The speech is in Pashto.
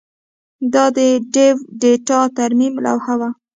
دا د ډیو د ډیټا ترمیم لوحه وه